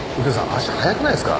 足速くないですか？